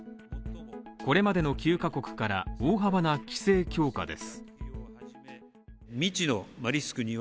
これまでの９ヶ国から大幅な規制強化です。